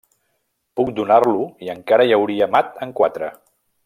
Puc donar-lo i encara hi hauria mat en quatre!